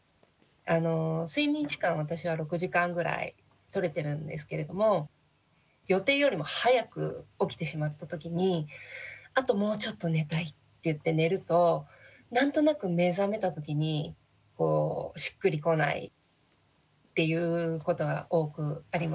睡眠時間私は６時間ぐらいとれてるんですけれども予定よりも早く起きてしまった時にあともうちょっと寝たいっていって寝ると何となく目覚めた時にしっくりこないっていうことが多くあります。